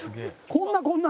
こんなこんな！